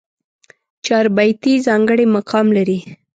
چاربېتې ځانګړی مقام لري.